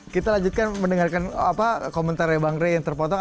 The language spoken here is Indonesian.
kita lanjutkan mendengarkan komentarnya bang rey yang terpotong